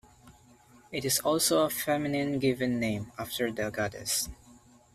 It is also a feminine given name, after the goddess.